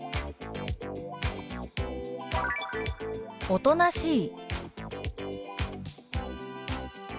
「おとなしい」。